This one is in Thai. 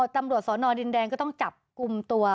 ตำรวจสโนดินแดงก็จับกลุ่มตัว